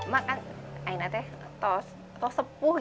mak apakah kamu sudah sepuh